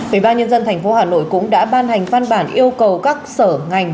ủy ban nhân dân tp hà nội cũng đã ban hành văn bản yêu cầu các sở ngành